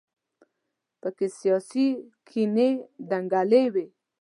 په کې سیاسي کینې دنګلې وي.